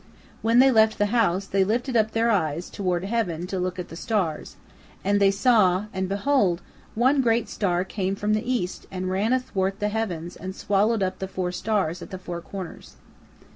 When they left the house, they lifted up their eyes toward heaven to look at the stars, and they saw, and, behold, one great star came from the east and ran athwart the heavens and swallowed up the four stars at the four corners.